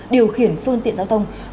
điều khiển phương tiện giao thông